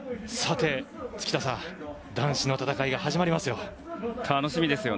附田さん男子の戦いが始まりますよ。